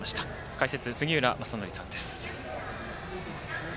解説、杉浦正則さんです。